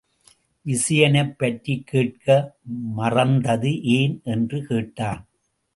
விசயனைப் பற்றிக் கேட்க மறந்தது ஏன்? என்று கேட்டான்.